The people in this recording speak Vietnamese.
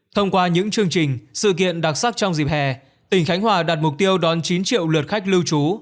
thông qua những chương trình sự kiện đặc sắc trong dịp hè tỉnh khánh hòa đặt mục tiêu đón chín triệu lượt khách lưu trú